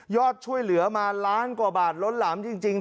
ช่วยเหลือมาล้านกว่าบาทล้นหลามจริง